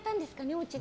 おうちで。